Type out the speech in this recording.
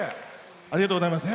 ありがとうございます。